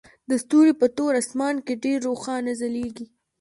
دا ستوري په تور اسمان کې ډیر روښانه ځلیږي